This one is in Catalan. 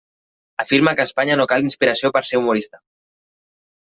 Afirma que a Espanya no cal inspiració per a ser humorista.